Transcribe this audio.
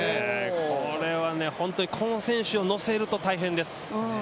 これはね、本当にこの選手をのせると大変です。